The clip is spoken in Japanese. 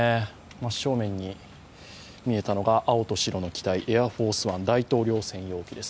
真っ正面に見えたのが青と白の機体、エアフォースワン、大統領専用機です。